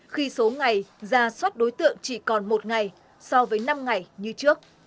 khi số ngày ra soát đối tượng chỉ còn một ngày so với năm ngày như trước